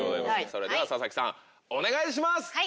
それでは佐々木さんお願いします！